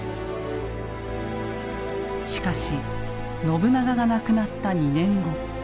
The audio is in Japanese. しかし信長が亡くなった２年後。